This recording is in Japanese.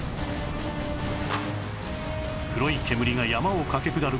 黒い煙が山を駆け下る